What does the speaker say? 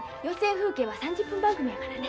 風景は３０分番組やからね。